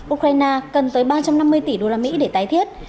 ukraine cần tới ba trăm năm mươi tỷ usd để tái thiết